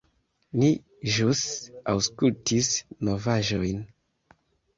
Ni ĵus aŭskultis novaĵojn.